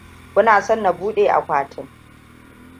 Kuna son na buɗe akwatin?